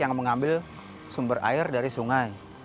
yang mengambil sumber air dari sungai